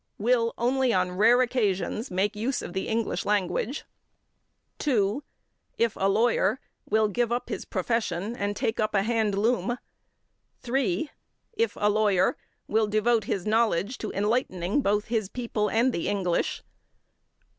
will, only on rare occasions, make use of the English language; 2. if a lawyer, will give up his profession and take up a hand loom; 3. if a lawyer, will devote his knowledge to enlightening both his people and the English; 4.